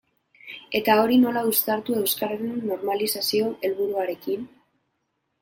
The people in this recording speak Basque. Eta hori nola uztartu euskararen normalizazio helburuarekin?